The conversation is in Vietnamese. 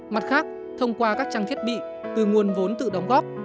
mặt khác thông qua các trang thiết bị từ nguồn vốn tự đóng góp